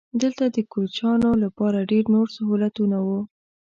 دلته د کوچیانو لپاره ډېر نور سهولتونه وو.